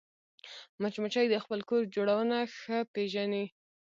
مچمچۍ د خپل کور جوړونه ښه پېژني